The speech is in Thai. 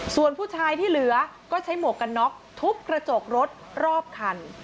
ส่วนผู้ชายที่เหลือก็ใช้หมวกกันน็อกทุบกระจกรถรอบคัน